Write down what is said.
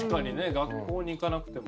学校に行かなくても。